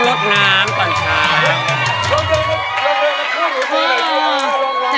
ทุกน้ำค่ะค่ะ